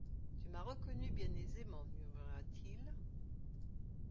Tu m’as reconnu bien aisément, murmura-t-il.